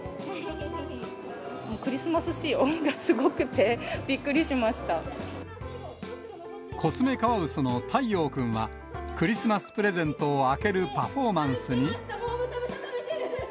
クリスマス仕様がすごくて、コツメカワウソのたいようくんは、クリスマスプレゼントを開けるパフォーマンスに。